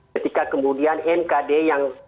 ketika kemudian mkd menang